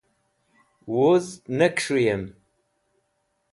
Wuz ne kẽs̃hũyẽm